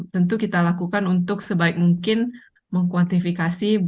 tentu kita lakukan untuk sebaik mungkin mengkuantifikasi